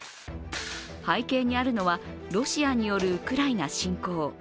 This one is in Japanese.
背景にあるのは、ロシアによるウクライナ侵攻。